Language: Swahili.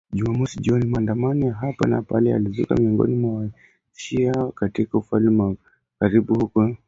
Jumamosi jioni ,maandamano ya hapa na pale yalizuka miongoni mwa wa-shia katika ufalme wa karibu huko nchini Bahrain, kuhusiana na mauaji hayo ya watu wengi